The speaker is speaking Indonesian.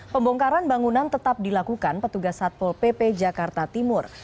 pembongkaran bangunan tetap dilakukan petugas satpol pp jakarta timur